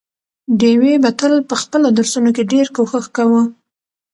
ډېوې به تل په خپلو درسونو کې ډېر کوښښ کاوه،